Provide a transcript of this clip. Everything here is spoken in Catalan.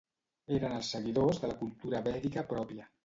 Eren els seguidors de la cultura vèdica pròpia.